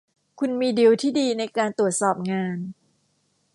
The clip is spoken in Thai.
คุณมีดีลที่ดีในการตรวจสอบงาน